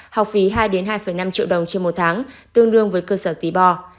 học phí hai hai năm triệu đồng trên một tháng tương đương với cơ sở tí bò